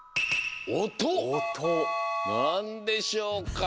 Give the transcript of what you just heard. なんでしょうか？